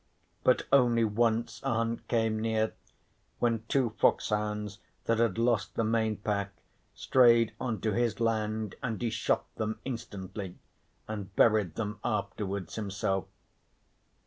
But only once a hunt came near, when two fox hounds that had lost the main pack strayed on to his land and he shot them instantly and buried them afterwards himself.